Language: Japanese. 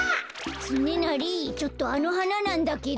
つねなりちょっとあのはななんだけど。